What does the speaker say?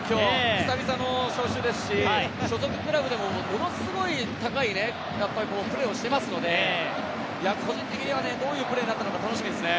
久々の招集ですし所属クラブでもものすごい高いプレーをしていますので、個人的にはどういうプレーになるのか楽しみですね。